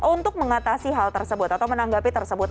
untuk mengatasi hal tersebut atau menanggapi tersebut